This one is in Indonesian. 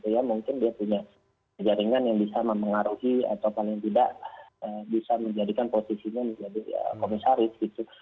jadi mungkin dia punya jaringan yang bisa mempengaruhi atau paling tidak bisa menjadikan posisinya menjadi komisaris gitu